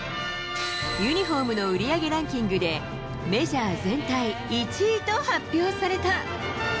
ユニホームの売り上げランキングで、メジャー全体１位と発表された。